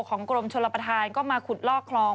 กรมชลประธานก็มาขุดลอกคลอง